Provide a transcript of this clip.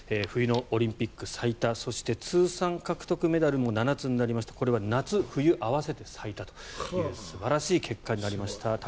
冬のオリンピック最多そして、通算獲得メダルも７つになりましてこれは夏冬合わせて最多という素晴らしい結果になりました。